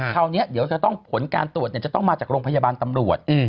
คราวนี้เดี๋ยวจะต้องผลการตรวจจะต้องมาจากโรงพยาบาลตำรวจ